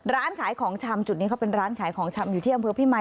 ร้านขายของชำจุดนี้เขาเป็นร้านขายของชำอยู่ที่อำเภอพี่มาย